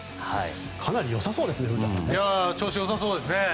かなり良さそうですね古田さん。調子良さそうですね。